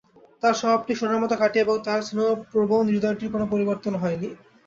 তাঁর স্বভাবটি সোনার মত খাঁটি এবং তাঁর স্নেহপ্রবণ হৃদয়টির কোন পরির্বতন হয়নি।